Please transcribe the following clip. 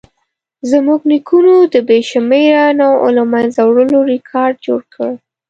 زموږ نیکونو د بې شمېره نوعو له منځه وړلو ریکارډ جوړ کړ.